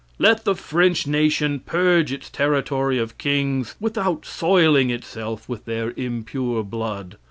Let the French nation purge its territory of kings without soiling itself with their impure blood.